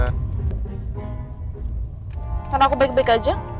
karena aku baik baik aja